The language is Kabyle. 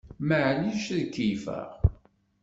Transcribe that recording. Maɛlic ad keyyfeɣ?